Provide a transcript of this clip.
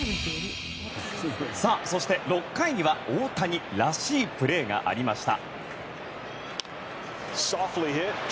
そして６回には大谷らしいプレーがありました。